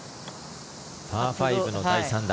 パー５の第３打。